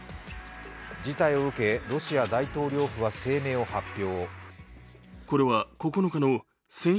事態を受け、ロシア大統領府は声明を発表。